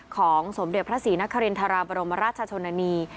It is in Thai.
ของสมเด็จพระศรีนครินทราบรมราชชนนานี